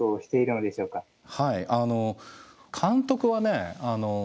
はいあの監督はね